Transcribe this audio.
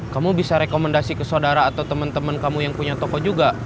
kamu bisa rekomendasi ke saudara atau teman teman kamu yang punya toko juga